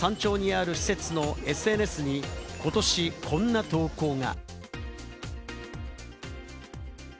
その高尾山の山頂にある施設のＳＮＳに今年、こんな投稿が。